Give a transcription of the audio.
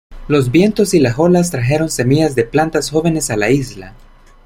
Los vientos y las olas trajeron semillas de plantas jóvenes a la isla.